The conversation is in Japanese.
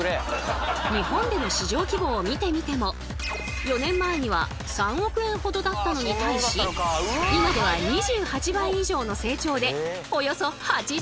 日本での市場規模を見てみても４年前には３億円ほどだったのに対し今では２８倍以上の成長でおよそ８５億円！